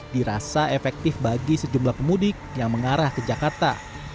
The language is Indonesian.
dirasa efektif bagi sejumlah pemudik yang mengarah ke jakarta